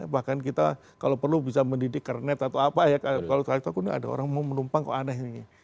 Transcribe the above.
bahkan kita kalau perlu bisa mendidik karnet atau apa ya kalau terlalu banyak orang mau menumpang kok aneh